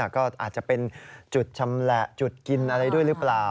ก็อาจจะเป็นจุดชำแหละจุดกินอะไรด้วยหรือเปล่า